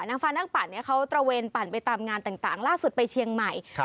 นางฟ้านักปั่นเนี่ยเขาตระเวนปั่นไปตามงานต่างล่าสุดไปเชียงใหม่